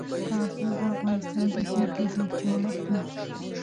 کابل د افغانستان د ځمکې د جوړښت نښه ده.